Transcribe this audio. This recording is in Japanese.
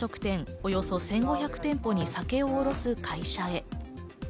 およそ１５００店舗に酒を卸す会社へ。